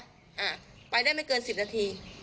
อ่าไปได้ไม่เกินสิบนาที